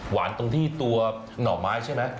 ตรงที่ตัวหน่อไม้ใช่ไหม